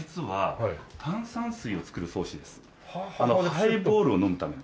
ハイボールを飲むために。